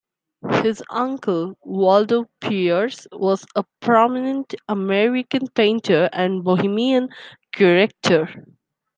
His uncle, Waldo Peirce, was a prominent American painter and bohemian character.